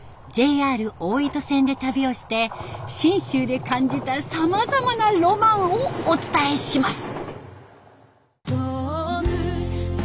ＪＲ大糸線で旅をして信州で感じたさまざまなロマンをお伝えします。